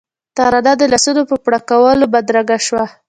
ترانه د لاسونو په پړکولو بدرګه شوه.